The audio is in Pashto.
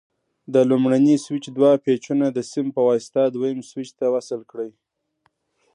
د لومړني سویچ دوه پېچونه د سیم په واسطه دویم سویچ ته وصل کړئ.